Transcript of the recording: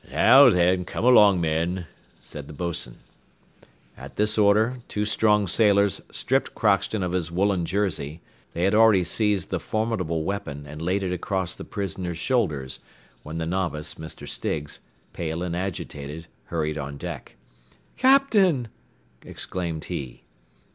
"Now then, come along, men," said the boatswain. At this order, two strong sailors stripped Crockston of his woollen jersey; they had already seized the formidable weapon, and laid it across the prisoner's shoulders, when the novice, John Stiggs, pale and agitated, hurried on deck. "Captain!" exclaimed he.